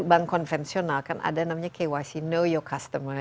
ini kalau bank konvensional kan ada namanya kyc know your customer